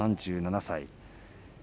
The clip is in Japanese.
３７歳。